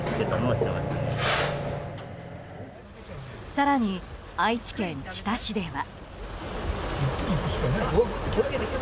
更に愛知県知多市では。